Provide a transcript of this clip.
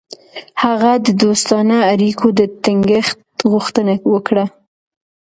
هغه د دوستانه اړیکو د ټینګښت غوښتنه وکړه.